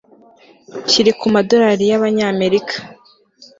kiri ku madolari y abanyamerika